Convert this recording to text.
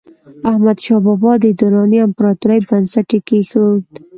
احمدشاه بابا د دراني امپراتورۍ بنسټ یې کېښود.